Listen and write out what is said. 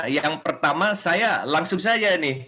yang pertama saya langsung saja nih